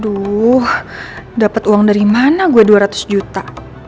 aduh dapat uang dari mana gue dua ratus juta